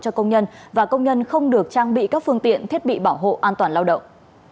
cho công nhân và công nhân không được trang bị các phương tiện thiết bị bảo hộ an toàn lao động